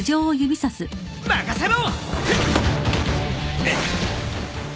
任せろ！